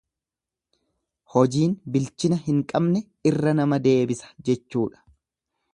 Hojiin bilchina hin qabne irra nama deebisa jechuudha...